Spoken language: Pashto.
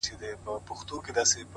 پوهه د شکونو ریښې کمزورې کوي؛